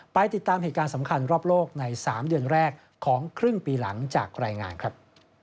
ไปติดตามเหตุการณ์สำคัญรอบโลกใน๓เดือนแรกของครึ่งปีหลังจากรายงานครับ